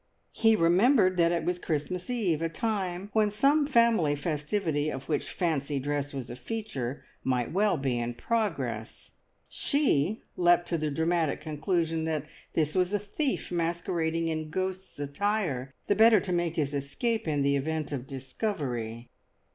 He remembered that it was Christmas Eve, a time when some family festivity, of which fancy dress was a feature, might well be in progress; she leapt to the dramatic conclusion that this was a thief masquerading in ghost's attire, the better to make his escape in the event of discovery.